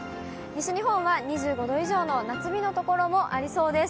西日本は２５度以上の夏日の所もありそうです。